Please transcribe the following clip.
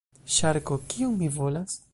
Ŝarko: "Kion vi volas?"